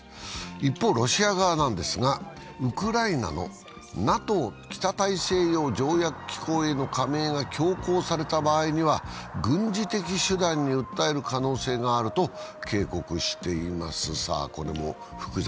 一方、ロシア側ですが、ウクライナのＮＡＴＯ＝北大西洋条約機構への加盟が強行された場合には軍事的手段に訴える可能性があると警告しています。